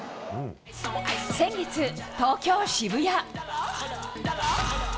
先月、東京・渋谷。